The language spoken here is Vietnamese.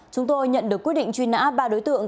chúng tôi nhận được quyết định truy nã ba đối tượng